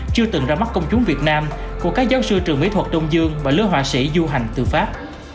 chưa từng ra mắt công chúng việt nam của các giáo sư trường mỹ thuật đông dương và lứa họa sĩ du hành từ pháp